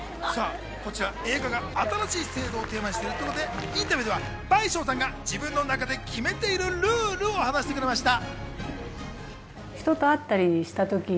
映画が新しい制度をテーマにしているということでインタビューでは倍賞さんが自分の中で決めているルールを話してくれました。